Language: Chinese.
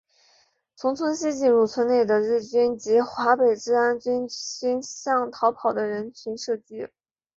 从村西进入村内的日军及华北治安军向逃跑的人群射击。